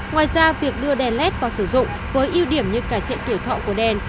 ngoài ra việc đưa đèn led vào sử dụng với ưu điểm như cải thiện tuổi thọ của đèn